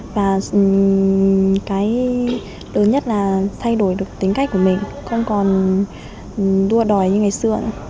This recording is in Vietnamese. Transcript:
và cái lớn nhất là thay đổi được tính cách của mình không còn đua đòi như ngày xưa